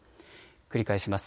繰り返します。